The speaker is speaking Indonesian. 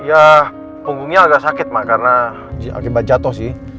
ya punggungnya agak sakit mbak karena akibat jatuh sih